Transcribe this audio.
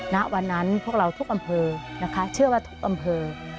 ณวันนั้นพวกเราทุกอำเภอนะคะเชื่อว่าทุกอำเภอ